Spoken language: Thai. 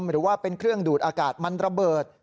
หรือว่าเป็นเครื่องดูดอากาศมันระเบิด